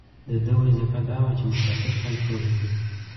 د ده وظیفه دا وه چې مسافر کنترول کړي.